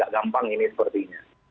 gampang ini sepertinya